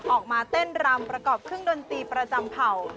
ออกมาเต้นรำประกอบเครื่องดนตรีประจำเผ่า